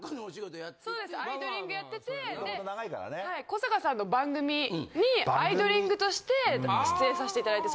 古坂さんの番組にアイドリング！！！として出演させて頂いて。